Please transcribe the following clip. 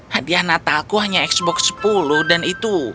hadiah natalku hanya x box sepuluh dan itu